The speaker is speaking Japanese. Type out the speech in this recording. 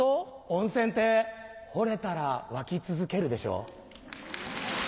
温泉ってホレたらワキ続けるでしょ？